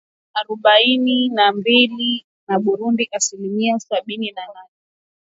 Arobaini na mbili na Burundi asilimia sabini na nane.